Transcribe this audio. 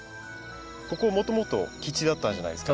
ここもともと基地だったじゃないですか。